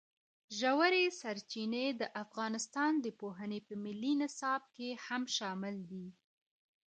ژورې سرچینې د افغانستان د پوهنې په ملي نصاب کې هم شامل دي.